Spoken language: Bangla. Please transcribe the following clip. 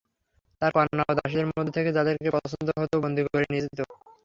তার কন্যা ও দাসীদের মধ্য থেকে যাদেরকে পছন্দ হত বন্দী করে নিয়ে যেত।